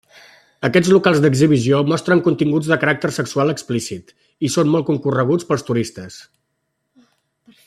Aquests locals d'exhibició mostren continguts de caràcter sexual explícit, i són molt concorreguts pels turistes.